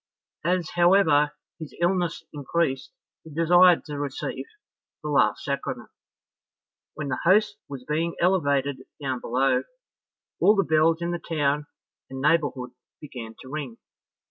As, however, his illness increased, he desired to receive the last sacrament. When the host was being elevated down below, all the bells in the town and neighbourhood began to ring.